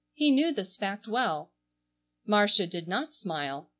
He knew this fact well. Marcia did not smile.